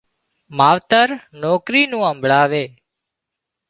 ماوتر نوڪرِي نُون هانڀۯينَ